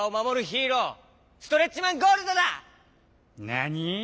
なに？